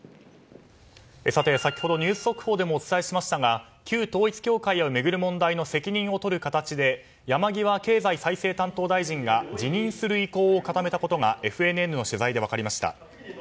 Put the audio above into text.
先ほど、ニュース速報でもお伝えしましたが旧統一教会を巡る問題の責任を取る形で山際経済再生担当大臣が辞任する意向を固めたことがＦＮＮの取材で分かりました。